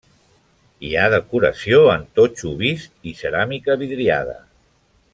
Hi ha decoració en totxo vist i ceràmica vidriada.